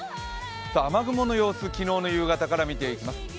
雨雲の様子を昨日の夕方から見ていきます。